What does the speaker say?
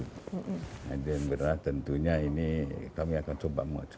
nah ini benar tentunya ini kami akan coba maju